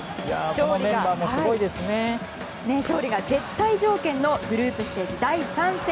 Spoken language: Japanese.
勝利が絶対条件のグループステージ第３戦。